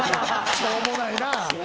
しょうもないな！